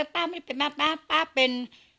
ป้าไม่เป็นแม่ป้าป้าเป็น